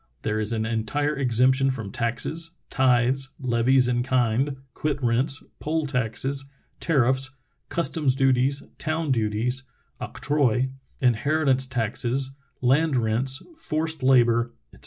There is an entire exemption from taxes, tithes, levies in kind, quit rents, poll taxes, tariffs, customs duties, town duties (octroi), inheritance taxes, land rents, forced labor, etc.